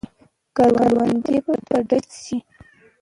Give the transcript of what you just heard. کروندې به ډکې شي.